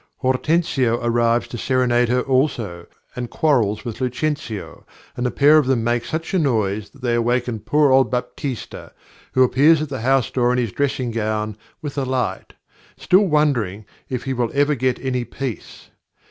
Hortensio arrives to serenade her also, and quarrels with Lucentio, and the pair of them make such a noise that they waken poor old Baptista, who appears at the house door in his dressing gown, with a light, still wondering if he will ever get any peace.